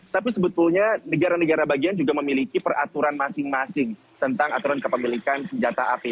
tapi sebetulnya negara negara bagian juga memiliki peraturan masing masing tentang aturan kepemilikan senjata api